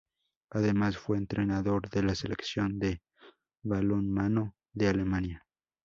Además fue entrenador de la Selección de balonmano de Alemania.